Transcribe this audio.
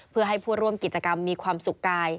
เพื่อให้ผู้ร่วมกิจกรรมมีความสุขกาย